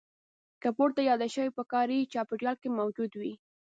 که پورته یاد شوي په کاري چاپېریال کې موجود وي.